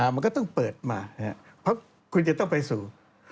มันก็ต้องเปิดมาเพราะคุณจะต้องไปสู่